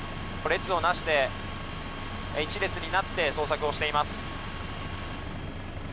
列をなして、１列になって捜索をしています。